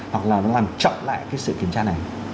hoặc là nó làm chậm lại cái sự kiểm tra này